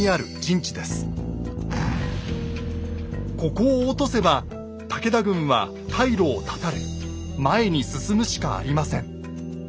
ここを落とせば武田軍は退路を断たれ前に進むしかありません。